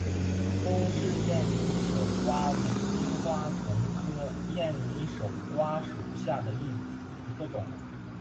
东氏艳拟守瓜为金花虫科艳拟守瓜属下的一个种。